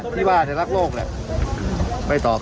ที่ว่าในรักโรคไม่ตอบ